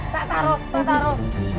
tak taro tak taro